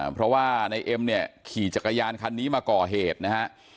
เพราะว่านายเอ็มเนี่ยขี่จักรยานคันนี้มาก่อเหตุนะฮะ